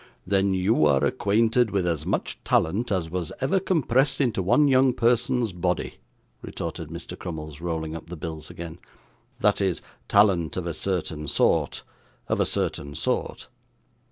'Then you are acquainted with as much talent as was ever compressed into one young person's body,' retorted Mr. Crummles, rolling up the bills again; 'that is, talent of a certain sort of a certain sort.